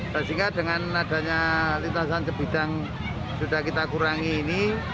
sehingga dengan adanya lintasan sebidang sudah kita kurangi ini